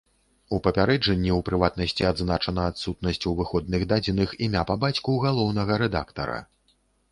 У папярэджанні, у прыватнасці, адзначана адсутнасць у выходных дадзеных імя па бацьку галоўнага рэдактара.